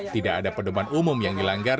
tidak ada pedoman umum yang dilanggar